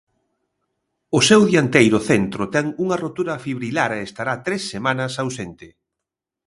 O seu dianteiro centro ten unha rotura fibrilar e estará tres semanas ausente.